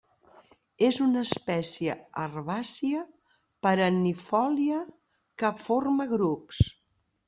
És una espècie herbàcia perennifòlia que forma grups.